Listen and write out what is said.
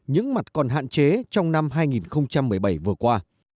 những mặt còn hạn chế trong năm hai nghìn một mươi bảy vừa qua